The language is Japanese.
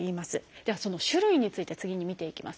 ではその種類について次に見ていきます。